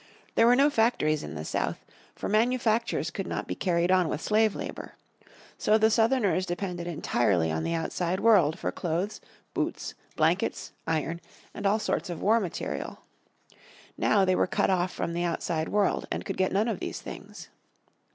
There were no factories in the South, for manufactures could not be carried on with slave labour. So the Southerners depended entirely on the outside world for clothes, boots, blankets, iron, and all sorts of war material. Now they were cut off from the outside world, and could get none of these things.